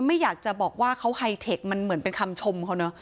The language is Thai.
ไม่อยากจะบอกว่าเขาไฮเทคมันเหมือนเป็นคำชมเขาเนอะ